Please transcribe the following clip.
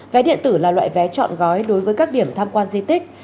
vé điện tử là loại vé chọn gói đối với các điểm tham quan di tích